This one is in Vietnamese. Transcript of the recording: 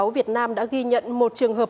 việt nam đã ghi nhận một trường hợp